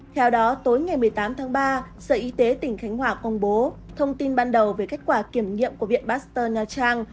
theo đó tối ngày một mươi tám tháng ba sở y tế tỉnh khánh hòa công bố thông tin ban đầu về kết quả kiểm nghiệm của viện pasteur nha trang